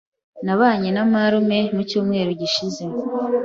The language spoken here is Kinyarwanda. Nabanye na marume mu cyumweru gishize.